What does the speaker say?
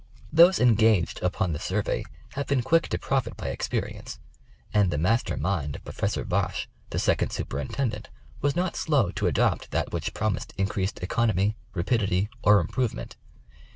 Those engaged upon the Survey have been quick to profit by experience, and the master mind of Professor Bache, the second Superintendent, was not slow to adopt that which promised in creased economy, rapidity or improvement.